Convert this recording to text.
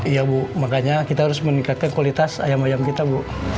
iya bu makanya kita harus meningkatkan kualitas ayam ayam kita bu